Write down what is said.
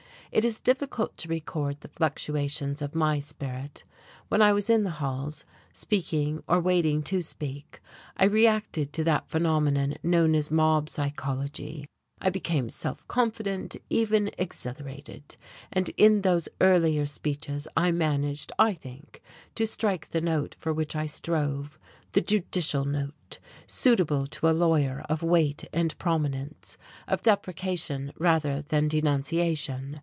It is difficult to record the fluctuations of my spirit. When I was in the halls, speaking or waiting to speak, I reacted to that phenomenon known as mob psychology, I became self confident, even exhilarated; and in those earlier speeches I managed, I think, to strike the note for which I strove the judicial note, suitable to a lawyer of weight and prominence, of deprecation rather than denunciation.